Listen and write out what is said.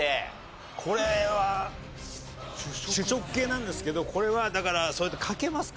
これは主食系なんですけどこれはだからかけますか？